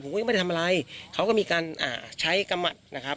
ผมก็ยังไม่ได้ทำอะไรเขาก็มีการอ่าใช้กรรมหัดนะครับ